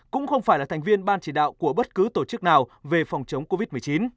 cũng không phải là thành viên ban chỉ đạo của bất cứ tổ chức nào về phòng chống covid một mươi chín